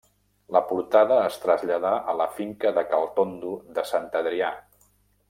La portada es traslladà a la finca de cal Tondo de Sant Adrià.